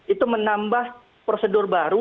itu menambah prosedur baru